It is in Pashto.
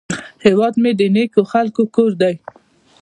هیواد مې د نیکو خلکو کور دی